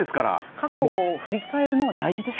過去を振り返るのは大事です。